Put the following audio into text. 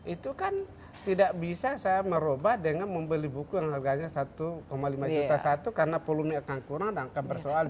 itu kan tidak bisa saya merubah dengan membeli buku yang harganya satu lima juta satu karena volume akan kurang dan akan bersoal